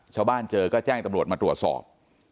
ชาวบ้านเจอก็แจ้งตำรวจมาตรวจสอบ